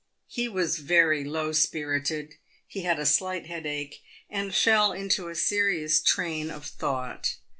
He was very low spirited — he had a slight headache — and fell into a serious train of thought.